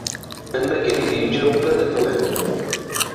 Am akken i d-iğaweb ad twehmem.